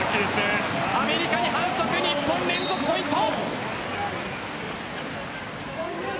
アメリカに反則、日本ポイント。